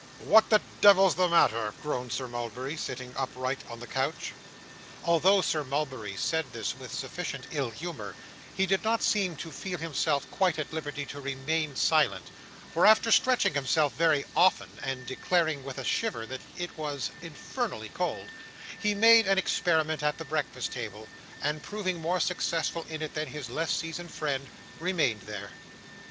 'What the devil's the matter?' groaned Sir Mulberry, sitting upright on the couch. Although Sir Mulberry said this with sufficient ill humour, he did not seem to feel himself quite at liberty to remain silent; for, after stretching himself very often, and declaring with a shiver that it was 'infernal cold,' he made an experiment at the breakfast table, and proving more successful in it than his less seasoned friend, remained there.